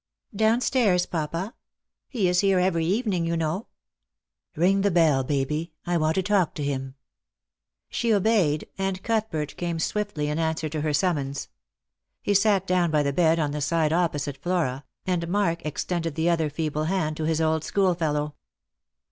" Down stairs, papa. He is here every evening, you know." " Bing the bell, Baby. I want to talk to him." She obeyed, and Cuthbert came swiftly in answer to her sum mons. He sat down by the bed on the side opposite Flora, and Mark extended the other feeble hand to his old school fellow.